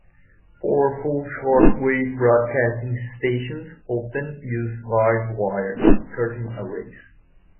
Powerful shortwave broadcasting stations often use large wire curtain arrays.